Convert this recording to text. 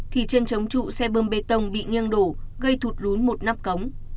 thì chân chống trụ xe bơm bê tông bị nghiêng đổ gây thụt lún một nắp cống